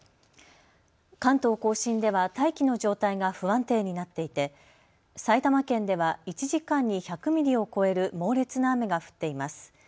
関東甲信では大気の状態が不安定になっていて埼玉県では１時間に１００ミリを超える猛烈な雨が降っています。